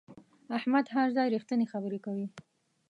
احمد هر ځای رښتینې خبره کوي.